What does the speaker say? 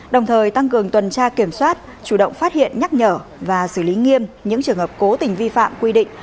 đồng thời tăng cường tuần tra kiểm soát chủ động phát hiện nhắc nhở và xử lý nghiêm những trường hợp cố tình vi phạm quy định